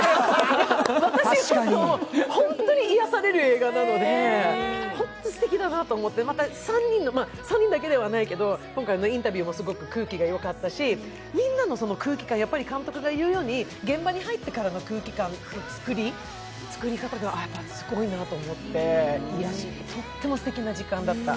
本当に癒やされる映画なので、本当にすてきだなと思って、また３人の、３人だけではないけれど今回のインタビューも空気がよかったし、みんなの空気感、やっぱり監督が言うように、現場に入ってからの作り方がすごいなと思って、とってもすてきな時間だった。